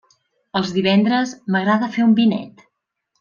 Els divendres m'agrada fer un vinet.